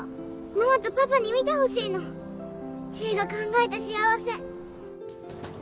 ママとパパに見てほしいの知恵が考えた幸せ。